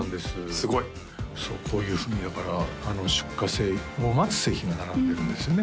すごいそうこういうふうにだから出荷を待つ製品が並んでるんですよね